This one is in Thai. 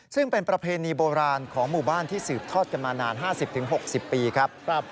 ซึ่งเป็นประเพณีโบราณของหมู่บ้านที่สืบทอดกันมานาน๕๐๖๐ปีครับ